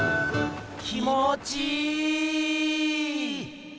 気もちいい。